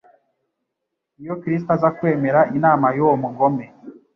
Iyo Kristo aza kwemera inama y'uwo mugome,